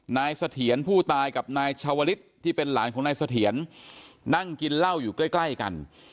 เสถียรผู้ตายกับนายชาวลิศที่เป็นหลานของนายเสถียรนั่งกินเหล้าอยู่ใกล้ใกล้กัน